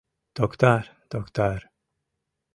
Токтар, токтар...